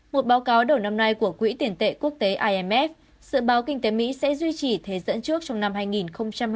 một báo cáo đầu năm nay của quỹ tiền tệ quốc tế imf dự báo kinh tế mỹ sẽ duy trì thế dẫn trước trong năm hai nghìn hai mươi